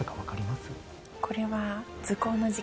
これは。